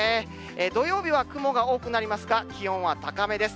土曜日は雲が多くなりますが、気温は高めです。